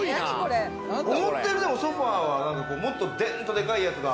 思ったよりソファーはもっとデンとでかいやつが。